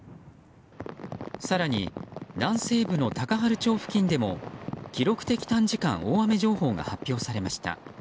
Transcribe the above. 更に、南西部の高原町付近でも記録的短時間大雨情報が発表されました。